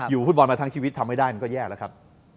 อยู่ฮุดบอลมาทั้งชีวิตทำไม่ได้ก็แย่ละครับ